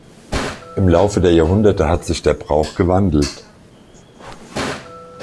Im Laufe der Jahrhunderte hat sich der Brauch gewandelt.